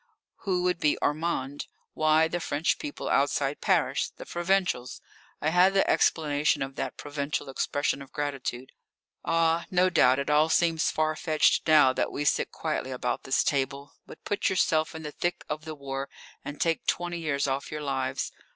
Who would be Armand? Why, the French people outside Paris the provincials! I had the explanation of that provincial expression of gratitude. Ah, no doubt it all seems far fetched now that we sit quietly about this table. But put yourself in the thick of the war and take twenty years off your lives!